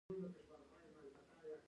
د زابل په ارغنداب کې د سمنټو مواد شته.